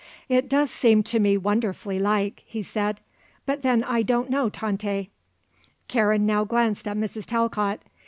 "It does seem to me wonderfully like," he said. "But then I don't know 'Tante.'" Karen now glanced at Mrs. Talcott.